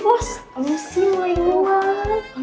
bos kamu sih main main